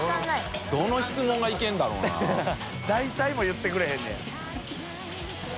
森田）大体も言ってくれへんのや。